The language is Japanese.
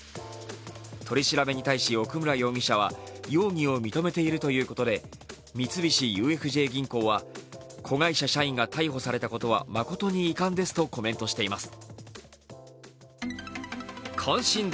取り調べに対し奥村容疑者は容疑を認めているということで三菱ＵＦＪ銀行は、子会社社員が逮捕されたことはまことに遺憾ですとコメントしています。